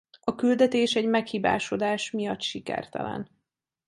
A küldetés egy meghibásodás miatt sikertelen.